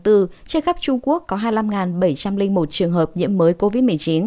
trên khắp trung quốc có hai mươi năm bảy trăm linh một trường hợp nhiễm mới covid một mươi chín